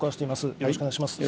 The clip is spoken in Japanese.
よろしくお願いします。